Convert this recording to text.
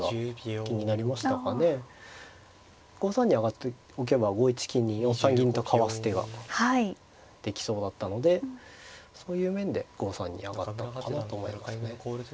５三に上がっておけば５一金に４三銀とかわす手ができそうだったのでそういう面で５三に上がったのかなと思いますね。